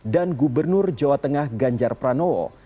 dan gubernur jawa tengah ganjar pranowo